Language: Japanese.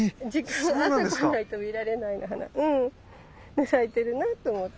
で咲いてるなと思って。